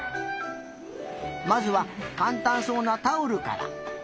まずはかんたんそうなタオルから。